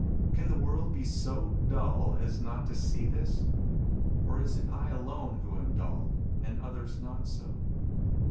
Can the world be so dull as not to see this ? Or is it I alone who am dull, and others not so